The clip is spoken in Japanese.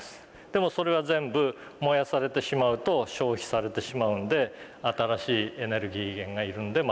でもそれは全部燃やされてしまうと消費されてしまうので新しいエネルギー源がいるんでまた食べなければならない。